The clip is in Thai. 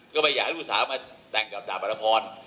ก็ไม่อยากให้ลูกสาวมาแต่งกับจ่าวรพร